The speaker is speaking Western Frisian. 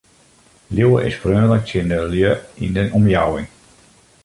Liuwe is freonlik tsjin de lju yn de omjouwing.